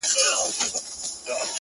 o خدايه هغه داسي نه وه؛